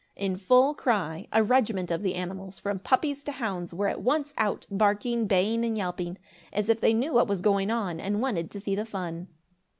In full cry, a regiment of the animals, from puppies to hounds, were at once out, barking, baying, and yelping, as if they knew what was going on and wanted to see the fun.